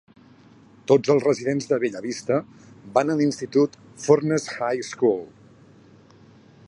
Tots els residents de Bella Vista van a l'institut Furness High School.